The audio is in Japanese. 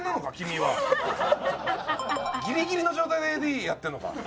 ギリギリの状態でＡＤやってるのか？